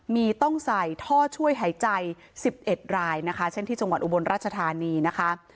มีต้องใส่ท่อช่วยหายใจ๑๑รายนะคะเช่นที่จังหวัดอุบลราชธานีนะคะ